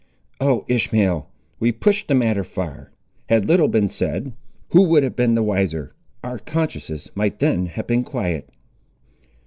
"Oh, Ishmael, we pushed the matter far. Had little been said, who would have been the wiser? Our consciences might then have been quiet."